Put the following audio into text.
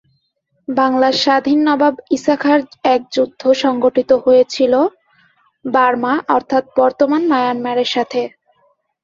বাংলার স্বাধীন নবাব ঈসা খাঁর এক যুদ্ধ সংগঠিত হয়েছিল বার্মা, অর্থাৎ বর্তমান মায়ানমার সাথে।